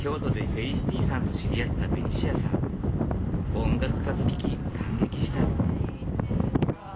音楽家と聞き感激した。